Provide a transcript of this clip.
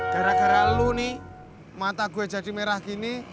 gara gara lu nih mata gue jadi merah gini